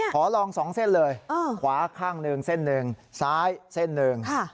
ขอลอง๒เส้นเลยขวาข้างหนึ่งเส้นหนึ่งซ้ายเส้นหนึ่ง